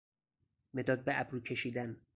مداد به ابرو کشیدن